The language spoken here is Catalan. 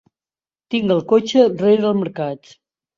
Tinc el cotxe rere el Mercat.